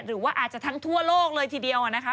หรือว่าอาจจะทั้งทั่วโลกเลยทีเดียวนะคะ